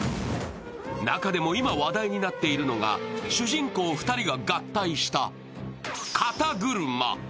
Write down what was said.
中でも今話題になっているのが、主人公２人が合体した肩車。